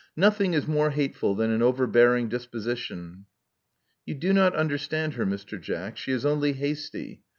Nothing is more hateful than an over bearing disposition." "You do not understand her, Mr. Jack. She is only hasty.